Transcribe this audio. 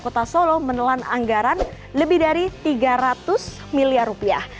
kota solo menelan anggaran lebih dari tiga ratus miliar rupiah